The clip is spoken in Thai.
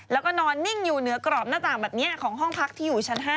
แล้วก็นอนนิ่งอยู่เหนือกรอบหน้าต่างแบบนี้ของห้องพักที่อยู่ชั้น๕